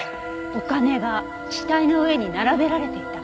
お金が死体の上に並べられていた？